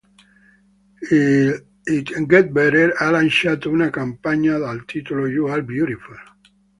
It Get Better ha lanciato una campagna dal titolo "You are beautiful!